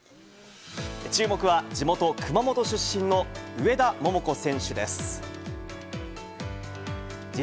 注目は地元、熊本出身の上田桃子選手です。